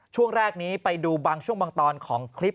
ช่วงแรกนี้ไปดูบางช่วงบางตอนของคลิป